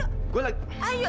edo cepetan yuk